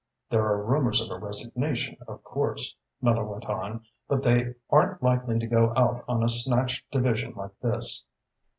"There are rumours of a resignation, of course," Miller went on, "but they aren't likely to go out on a snatched division like this."